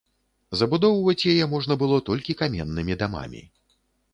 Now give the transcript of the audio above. Забудоўваць яе можна было толькі каменнымі дамамі.